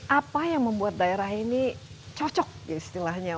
apa yang membuat daerah ini cocok ya istilahnya